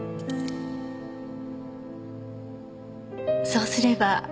そうすれば。